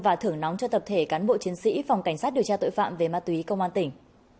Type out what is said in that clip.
và thưởng nóng cho tập thể cán bộ chiến sĩ phòng cảnh sát điều tra tội phạm về ma túy công an tỉnh